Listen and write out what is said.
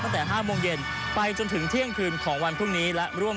ตั้งแต่๕โมงเย็นไปจนถึงเที่ยงคืนของวันพรุ่งนี้และร่วม